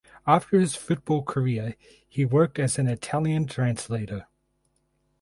After his football career he worked as an Italian translator.